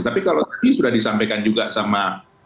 tapi kalau tadi sudah disampaikan juga sama